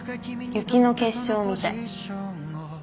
雪の結晶みたい。